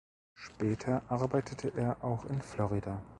Später arbeitete er auch in Florida.